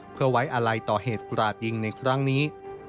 เพื่อไว้อาลัยต่อเหตุกราดยิงในครั้งนี้